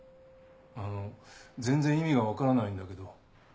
あの全然意味が分からないんだけど。